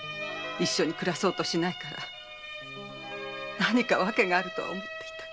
一緒に暮らそうとしないから何か訳があると思ってたけど。